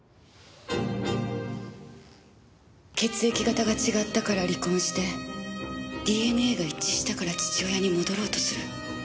血液型が違ったから離婚してＤＮＡが一致したから父親に戻ろうとする。